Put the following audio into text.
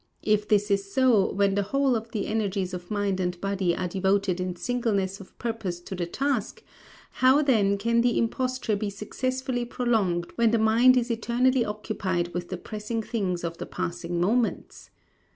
If this is so, when the whole of the energies of mind and body are devoted in singleness of purpose to the task, how then can the imposture be successfully prolonged when the mind is eternally occupied with the pressing things of the passing moments?